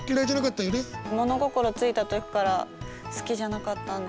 物心ついた時から好きじゃなかったんです。